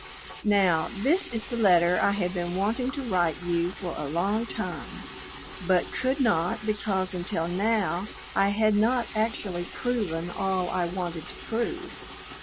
Now, this is the letter I have been wanting to write you for a long time, but could not because until now I had not actually proven all I wanted to prove.